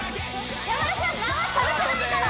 山田さん縄跳べてないから！